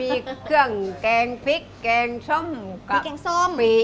มีเครื่องแกงพริกแกงส้มกะปิ